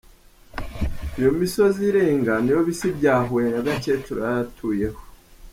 Iyo misozi irenga ni yo bisi bya Huye Nyagakecuru yari atuyeho.